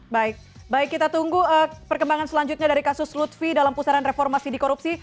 baik baik kita tunggu perkembangan selanjutnya dari kasus lutfi dalam pusaran reformasi di korupsi